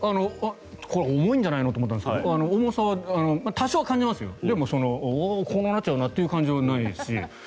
これ重いんじゃないの？と思ったんですが重さは多少は感じますけどでも、こんなになっちゃうなという感じはないですし。